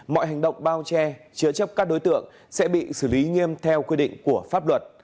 mọi hành động bao che chứa chấp các đối tượng sẽ bị xử lý nghiêm theo quy định của pháp luật